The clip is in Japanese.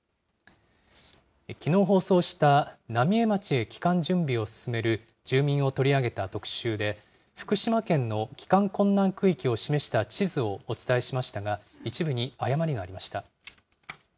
きのう放送した浪江町へ帰還準備を進める住民を取り上げた特集で、福島県の帰還困難区域を示した地図をお伝えしましたが、一部に誤りがありました。